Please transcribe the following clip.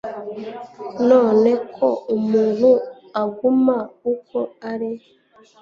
none, ko umuntu aguma uko ari